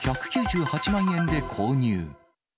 １９８万円で購入。